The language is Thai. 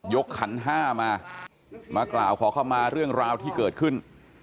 ขันห้ามามากล่าวขอเข้ามาเรื่องราวที่เกิดขึ้น